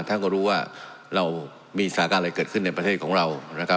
ท่านก็รู้ว่าเรามีสถานะอะไรเกิดขึ้นในประเทศของเรา